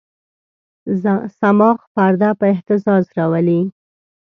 صماخ پرده په اهتزاز راولي.